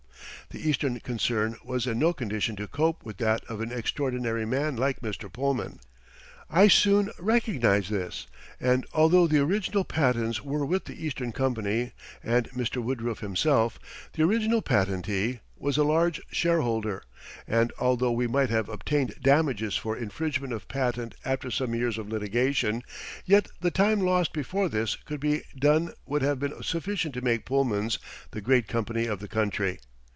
The Eastern concern was in no condition to cope with that of an extraordinary man like Mr. Pullman. I soon recognized this, and although the original patents were with the Eastern company and Mr. Woodruff himself, the original patentee, was a large shareholder, and although we might have obtained damages for infringement of patent after some years of litigation, yet the time lost before this could be done would have been sufficient to make Pullman's the great company of the country.